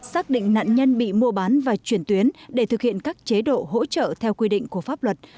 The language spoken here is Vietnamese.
xác định nạn nhân bị mua bán và chuyển tuyến để thực hiện các chế độ hỗ trợ theo quy định của pháp luật